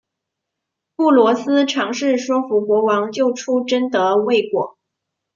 布罗斯尝试说服国王救出贞德未果。